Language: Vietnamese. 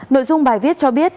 nội dung bài viết cho biết